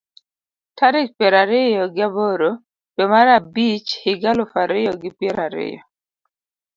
Tarik pier ariyo gi aboro dwe mar abich higa aluf ariyo gi pier ariyo